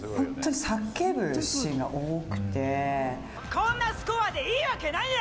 こんなスコアでいいわけないよ！